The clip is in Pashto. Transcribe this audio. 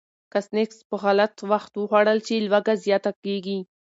که سنکس په غلط وخت وخوړل شي، لوږه زیاته کېږي.